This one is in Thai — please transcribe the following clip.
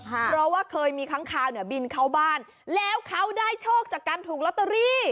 เพราะว่าเคยมีครั้งคราวเนี่ยบินเข้าบ้านแล้วเขาได้โชคจากการถูกลอตเตอรี่